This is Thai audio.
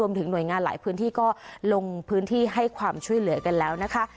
ถึงหน่วยงานหลายพื้นที่ก็ลงพื้นที่ให้ความช่วยเหลือกันแล้วนะคะ